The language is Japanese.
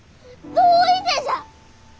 どういてじゃ！